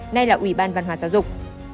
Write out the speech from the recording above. nay là ủy ban văn hóa giáo dục